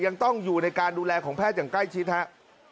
ยังต้องอยู่ในการดูแลของแพทย์อย่างใกล้ชิดครับ